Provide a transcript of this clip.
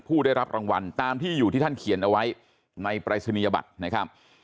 ผู้ได้รับรางวัลตามที่อยู่ที่ท่านเขียนเอาไว้ในปรายศนียบัตรนะครับ